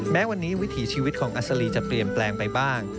แม้วันนี้วิถีชีวิตของอัศรีจะเปลี่ยนแปลงไปบ้าง